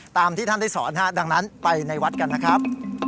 ตามที่ท่านได้สอนดังนั้นไปในวัดกันนะครับ